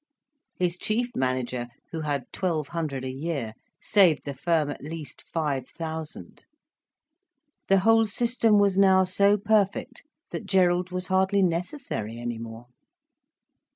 His chief manager, who had twelve hundred a year, saved the firm at least five thousand. The whole system was now so perfect that Gerald was hardly necessary any more.